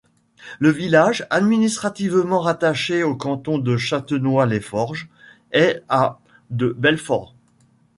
Le village, administrativement rattaché au canton de Châtenois-les-Forges, est à de Belfort.